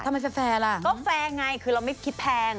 ก็แฟร์ไงคือเราไม่คิดแพง